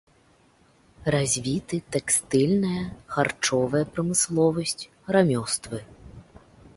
Развіты тэкстыльная, харчовая прамысловасць, рамёствы.